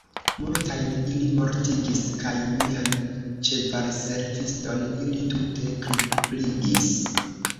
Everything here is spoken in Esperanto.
Multajn ili mortigis, kaj mian ĉevalserviston ili tute kripligis.